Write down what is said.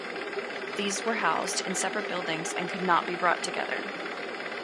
These were housed in separate buildings and could not be brought together.